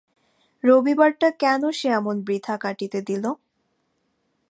রবিবারটা কেন সে এমন বৃথা কাটিতে দিল।